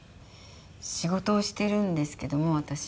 仕事をしているんですけども私も。